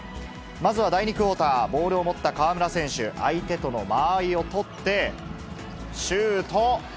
まずは第２クオーター、ボールを持った河村選手、相手との間合いを取って、シュート。